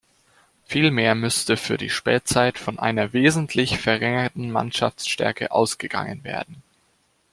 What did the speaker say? Vielmehr müsste für die Spätzeit von einer wesentlich verringerten Mannschaftsstärke ausgegangen werden.